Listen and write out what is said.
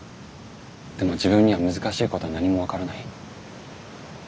でも自分には難しいことは何も分からない。